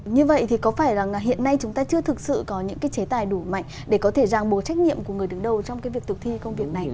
như vậy thì có phải là hiện nay chúng ta chưa thực sự có những cái chế tài đủ mạnh để có thể giang bồ trách nhiệm của người đứng đầu trong cái việc thực thi công việc này